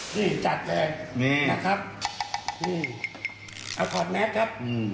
นี่จัดแรงนี่นะครับเอาขอบแมสครับ